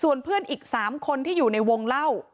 ส่วนเพื่อนอีก๓คนที่อยู่ในวงเล่า